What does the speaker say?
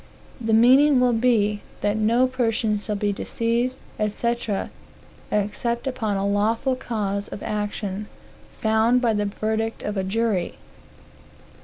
The meaning will be, that no person shall be disseized, &c., except upon a lawful cause of action, found by the verdict of a jury.